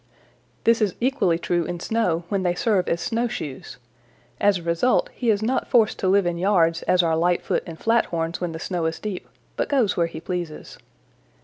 This is equally true in snow, when they serve as snowshoes. As a result he is not forced to live in yards as are Lightfoot and Flathorns when the snow is deep, but goes where he pleases.